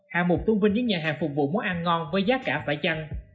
hạng mục tôn vinh những nhà hàng phục vụ món ăn ngon với giá cả phải chăng